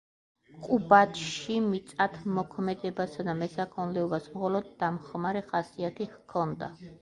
ყუბაჩში მიწათმოქმედებასა და მესაქონლეობას მხოლოდ დამხმარე ხასიათი ჰქონდა.